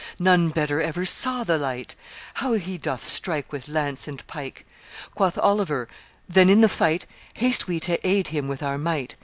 None better ever saw the light! How he doth strike With lance and pike!' Quoth Oliver, 'Then in the fight Haste we to aid him with our might!